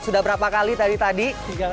sudah berapa kali tadi